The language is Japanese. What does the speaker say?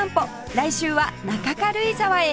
来週は中軽井沢へ